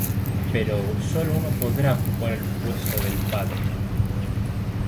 Pero solo uno podrá ocupar el puesto del padre.